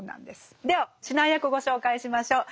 では指南役ご紹介しましょう。